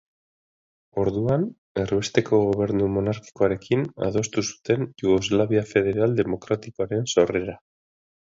Orduan, erbesteko gobernu monarkikoarekin adostu zuten Jugoslavia Federal Demokratikoaren sorrera.